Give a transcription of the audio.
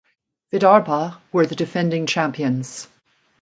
Vidarbha were the defending champions.